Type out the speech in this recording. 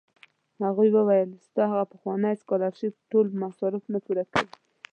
هغوی ویل ستا هغه پخوانی سکالرشېپ ټول مصارف نه پوره کوي.